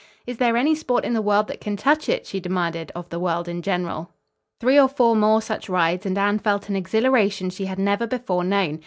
"Is there any sport in the world that can touch it?" she demanded of the world in general. Three or four more such rides, and Anne felt an exhilaration she had never before known.